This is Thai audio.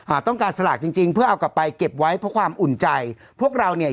ต้องการสลากจริงจริงเพื่อเอากลับไปเก็บไว้เพราะความอุ่นใจพวกเราเนี่ย